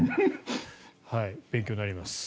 勉強になります。